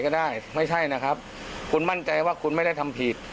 ไม่ใช่นะครับคุณมั่นใจว่าคุณไม่ได้ทำผิด